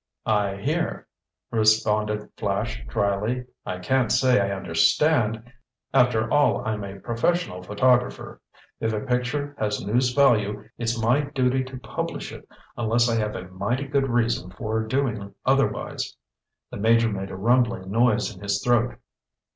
"I hear," responded Flash dryly. "I can't say I understand. After all, I'm a professional photographer. If a picture has news value it's my duty to publish it unless I have a mighty good reason for doing otherwise." The Major made a rumbling noise in his throat.